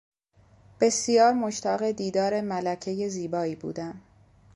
بسیار مشتاق دیدار ملکهی زیبایی بودم.